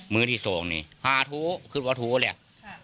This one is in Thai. มื้อที่ส่องนี่หาโทขึ้นว่าโทแล้ว